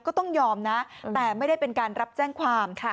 ก็ต้องยอมนะแต่ไม่ได้เป็นการรับแจ้งความ